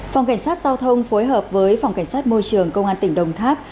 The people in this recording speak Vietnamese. phòng cảnh sát giao thông phối hợp với phòng cảnh sát môi trường công an tỉnh đồng tháp